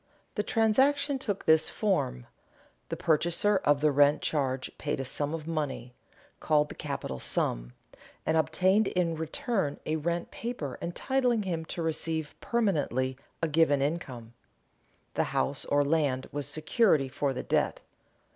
The transaction took this form: the purchaser of the rent charge paid a sum of money, called the capital sum, and obtained in return a rent paper entitling him to receive permanently a given income. The house or land was security for the debt.